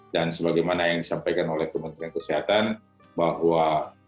dan sebagaimana yang disampaikan oleh kementerian kesehatan bahwa